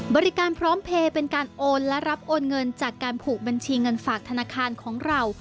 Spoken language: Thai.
บริการพร้อมเพลย์เป็นการโอนและรับโอนเงินจากการผูกบัญชีเงินฝากธนาคารของเรา